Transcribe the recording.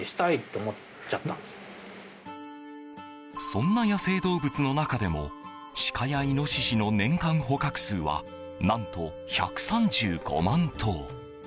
そんな野生動物の中でもシカやイノシシの年間捕獲数は何と１３５万頭。